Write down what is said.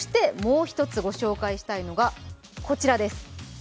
そしてもう一つ、ご紹介したいのがこちらです。